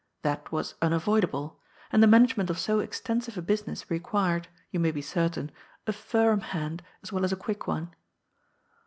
That was unavoidable, and the management of so extensive a business required, you may be certain, a firm hand as well as a quick one.